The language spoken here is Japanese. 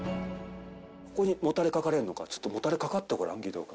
ここにもたれかかれるのか、ちょっと、もたれかかってごらん、義堂君。